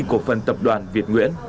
của phần tập đoàn việt nguyễn